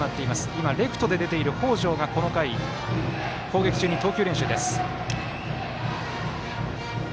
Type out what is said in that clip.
今、レフトで出ている北條がこの回攻撃中に投球練習です。